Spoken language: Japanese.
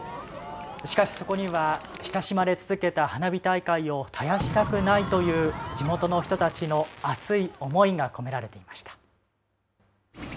しかし、そこには親しまれ続けた花火大会を絶やしたくないという地元の人たちの熱い思いが込められていました。